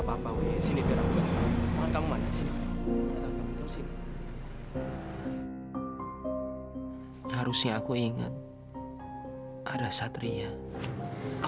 sampai jumpa di video selanjutnya